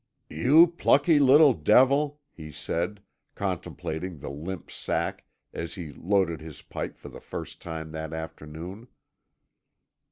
"You plucky little devil," he said, contemplating the limp sack as he loaded his pipe for the first time that afternoon.